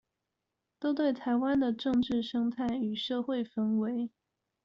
都對臺灣的政治生態與社會氛圍